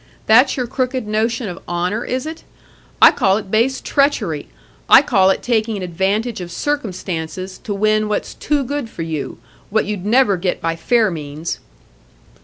That's your crooked notion of honour, is it? I call it base treachery; I call it taking advantage of circumstances to win what's too good for you,—what you'd never get by fair means."